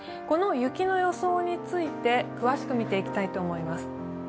この雪の予想について、詳しく見ていきたいと思います。